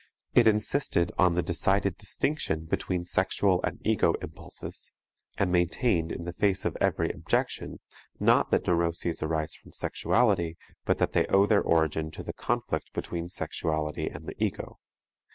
It insisted on the decided distinction between sexual and ego impulses and maintained in the face of every objection not that neuroses arise from sexuality, but that they owe their origin to the conflict between sexuality and the ego.